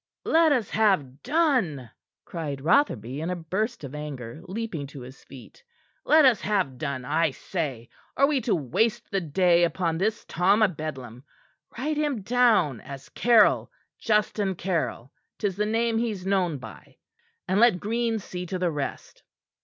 "Let us have done," cried Rotherby in a burst of anger, leaping to his feet. "Let us have done, I say! Are we to waste the day upon this Tom o' Bedlam? Write him down as Caryll Justin Caryll 'tis the name he's known by; and let Green see to the rest."